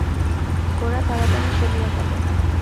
গোরা তাড়াতাড়ি চলিয়া গেল।